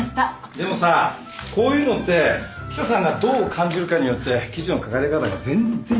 でもさこういうのって記者さんがどう感じるかによって記事の書かれ方が全然違うから。